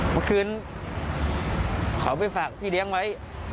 เมื่อคืนเขาไปฝากพี่เลี้ยงไว้